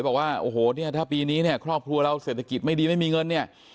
บอกว่าโอ้โหเนี่ยถ้าปีนี้เนี่ยครอบครัวเราเศรษฐกิจไม่ดีไม่มีเงินเนี่ย